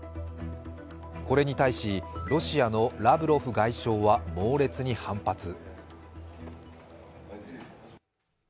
これに対しロシアのラブロフ外相は猛烈に反発。